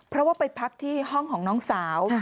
เพราะว่าไปพักที่ห้องของน้องสาว